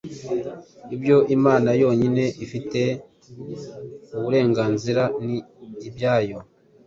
Ibyo Imana yonyine ifite uburenganzira ni ibyayo